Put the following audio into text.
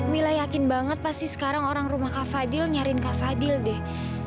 mila yakin banget pasti sekarang orang rumah kak fadil nyarin kak fadil deh